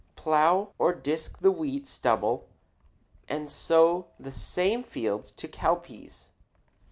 Plow or disk the wheat stubble, and sow the same field to cowpeas.